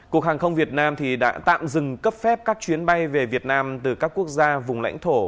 cục hàng không việt nam đã tạm dừng cấp phép các chuyến bay về việt nam từ các quốc gia vùng lãnh thổ